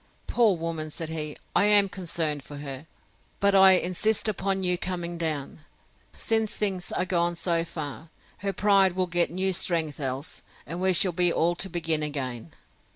—Poor woman! said he, I am concerned for her! But I insist upon your coming down, since things are gone so far. Her pride will get new strength else, and we shall be all to begin again.